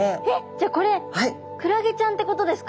じゃあこれクラゲちゃんってことですか？